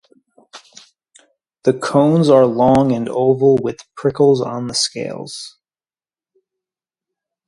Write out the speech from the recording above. The cones are long and oval with prickles on the scales.